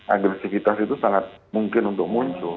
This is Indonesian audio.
agresivitas itu sangat mungkin untuk muncul